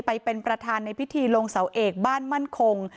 ไปเป็นประธานในพิธีลงเสาเอกบ้านมั่นคง